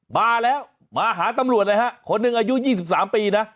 มาแล้วมาหาตำรวจอย่างไรฮะคนหนึ่งอายุยี่สิบสามปีนะ